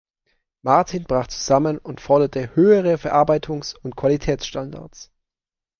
Martin brach zusammen und forderte höhere Verarbeitungs- und Qualitätsstandards.